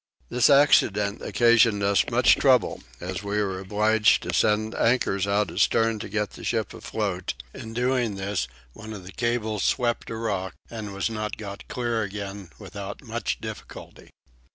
This accident occasioned us much trouble as we were obliged to send anchors out astern to get the ship afloat: in doing this one of the cables swept a rock and was not got clear again without much difficulty.